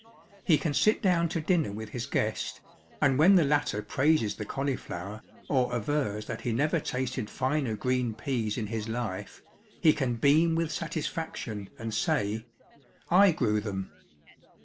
He can sit down to din ner with his guest, and when the latter praises the cauliflower or avers that he never tasted finer green peas in his life, he can beam with satis faction and say, "I grew them."